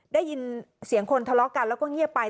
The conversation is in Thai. ได้ยินเสียงคนทะเลาะกันแล้วก็เงียบไป